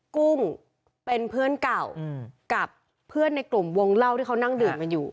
กุ้งเป็นเพื่อนเก่ากับเพื่อนในกลุ่มวงเล่าที่เขานั่งดื่มกันอยู่